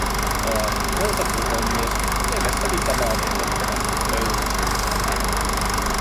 Arvoisa puhemies, mielestäni tämä on ehdottomasti pöyristyttävää.